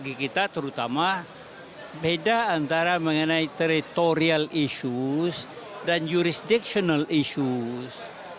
bagi kita terutama beda antara mengenai teritorial issues dan jurisdictional issues